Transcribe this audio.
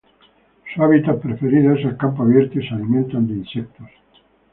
Su hábitat preferido es el campo abierto, y se alimentan de insectos.